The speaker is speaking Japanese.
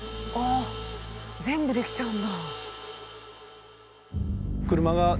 全部できちゃうんだ。